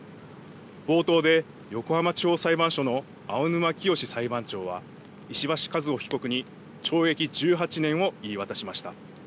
冒頭で横浜地方裁判所の青沼潔裁判長は石橋和歩被告に懲役１８年を言い渡しました。